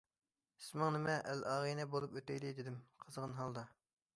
- ئىسمىڭ نېمە؟ ئەل- ئاغىنە بولۇپ ئۆتەيلى!- دېدىم قىزغىن ھالدا.